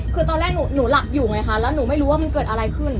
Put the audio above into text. คือตอนแรกหนูหลับอยู่ไงคะแล้วหนูไม่รู้ว่ามันเกิดอะไรขึ้น